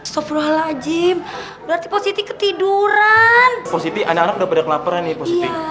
sini posisi disini po